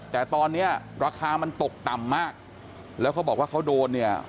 แต่ตอนนี้ราคามันตกต่ำมากแล้วเขาบอกว่าเขาโดนเนี่ย